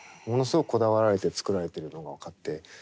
ものすごくこだわられて作られてるのが分かって。